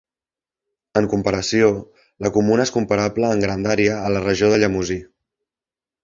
En comparació, la comuna és comparable en grandària a la regió de Llemosí.